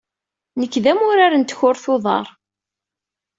Nekk d amurar n tkurt-uḍar.